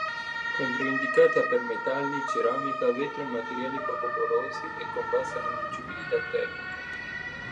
Controindicata per metalli, ceramica, vetro e materiali poco porosi e con bassa conducibilità termica.